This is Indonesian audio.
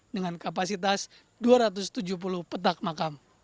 dengan kapasitas dua ratus tujuh puluh petak makam